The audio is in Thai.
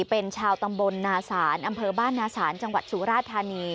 เป็นชาวตำบลนาศาลอำเภอบ้านนาศาลจังหวัดสุราธานี